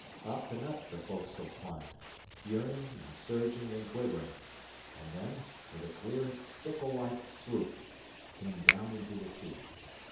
Up and up the foc'sle climbed, yearning and surging and quivering, and then, with a clear, sickle like swoop, came down into the seas.